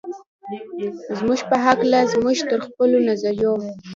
زموږ په هکله زموږ تر خپلو نظریو.